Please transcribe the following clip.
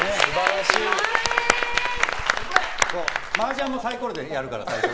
マージャンもサイコロでやるから大丈夫。